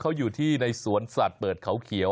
เขาอยู่ที่ในสวนสัตว์เปิดเขาเขียว